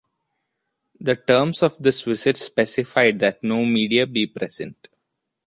The terms of this visit specified that no media be present.